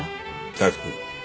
大福。